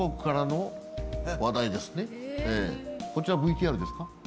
こちらＶＴＲですか？